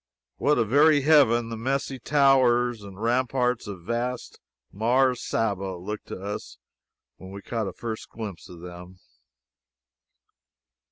What a very heaven the messy towers and ramparts of vast Mars Saba looked to us when we caught a first glimpse of them!